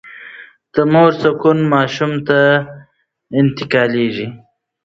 د مور سکون ماشوم ته انتقالېږي.